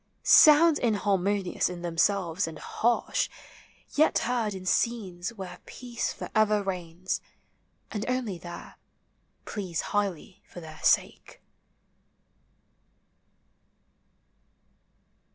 Sounds inharmonious in themselves and harsh, Yet heard in scenes where peace for ever reigns And only there, please highly for their sake.